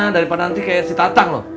daripada nanti kayak si tatang loh